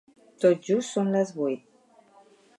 Tot just són les vuit.